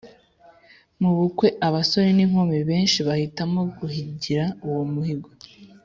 mu bukwe Abasore n inkumi benshi bahitamo guhigira uwo muhigo